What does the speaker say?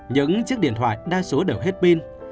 những chiếc điện thoại đa số đều hết pin